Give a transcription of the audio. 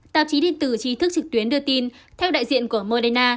tạp chí điện tử trí thức trực tuyến đưa tin theo đại diện của moderna